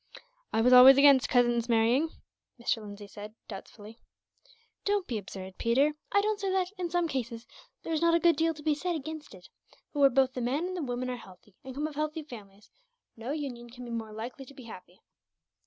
"I was always against cousins marrying," Mr. Lindsay said, doubtfully. "Don't be absurd, Peter. I don't say that, in some cases, there is not a good deal to be said against it; but where both the man and the woman are healthy, and come of healthy families, no union can be more likely to be happy."